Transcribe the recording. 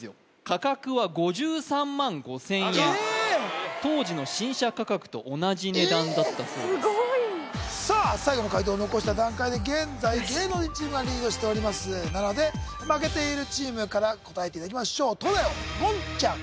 価格は５３万５０００円当時の新車価格と同じ値段だったそうですさあ最後の解答を残した段階で現在芸能人チームがリードしておりますなので負けているチームから答えていただきましょう東大王言ちゃん